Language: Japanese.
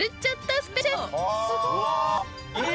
すごーい！